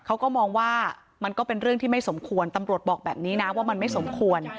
เขาก็มองว่ามันก็เป็นเรื่องที่ไม่สมควรตำรวจบอกแบบนี้นะว่ามันไม่สมควร